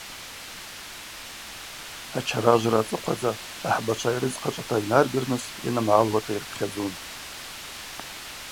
Ачаражвра ацӏыхъвадза ахӏбачва йрыдзхъачӏвата йнаргырныс йанымгӏалуата йырпхьадзун.